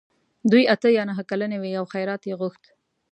دوی اته یا نهه کلنې وې او خیرات یې غوښت.